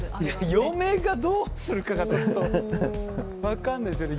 「嫁」がどうするかがちょっと分かんないですよね。